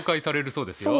そうですね